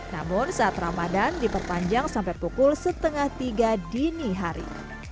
namun saat ramadan diperpanjang sampai pukul setengah tiga dini hari